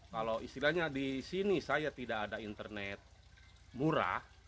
kalau istilahnya di sini saya tidak ada internet murah